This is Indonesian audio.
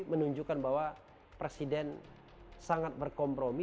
menunjukkan bahwa presiden sangat berkompromi